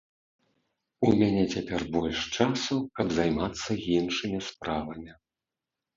У мяне цяпер больш часу, каб займацца іншымі справамі.